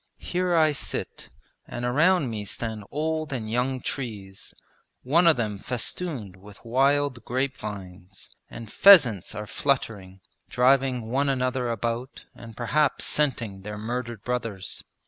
Here I sit, and around me stand old and young trees, one of them festooned with wild grape vines, and pheasants are fluttering, driving one another about and perhaps scenting their murdered brothers.'